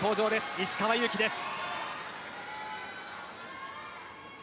石川祐希です。